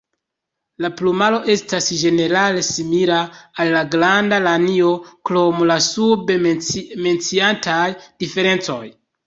La plumaro estas ĝenerale simila al la Granda lanio krom la sube menciataj diferencoj.